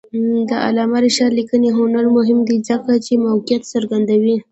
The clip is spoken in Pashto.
د علامه رشاد لیکنی هنر مهم دی ځکه چې موقعیت څرګندوي.